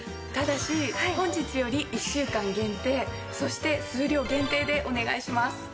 ただし本日より１週間限定そして数量限定でお願いします。